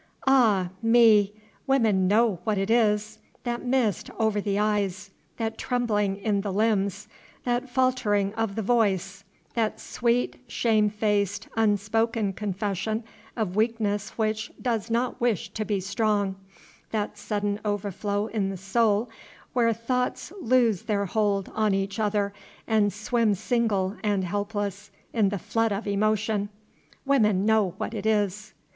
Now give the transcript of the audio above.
Ah, me! women know what it is, that mist over the eyes, that trembling in the limbs, that faltering of the voice, that sweet, shame faced, unspoken confession of weakness which does not wish to be strong, that sudden overflow in the soul where thoughts loose their hold on each other and swim single and helpless in the flood of emotion, women know what it is!